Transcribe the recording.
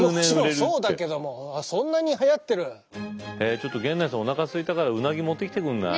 ちょっと源内さんおなかすいたからウナギ持ってきてくんない？